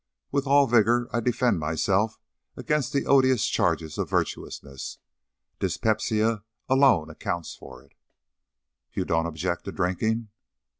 With all vigor I defend myself against the odious charge of virtuousness. Dyspepsia alone accounts for it." "You don't object to drinking?"